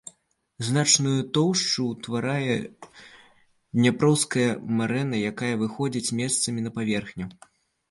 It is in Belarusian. Значную тоўшчу ўтварае дняпроўская марэна, якая выходзіць месцамі на паверхню.